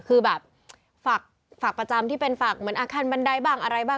คือแบบฝากประจำที่เป็นฝากเหมือนอาคารบันไดบ้างอะไรบ้าง